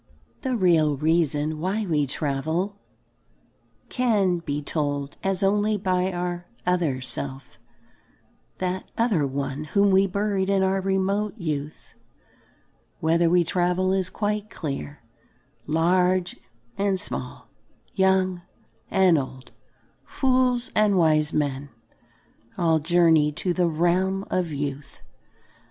The real reason why we travel can be told us only by our "other self," that "other one" whom we buried in our remote youth. Whither we travel is quite clear. Large and small, young and old, fools and wise men all journey to the realm of youth.